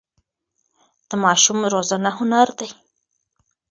د ماشوم روزنه هنر دی.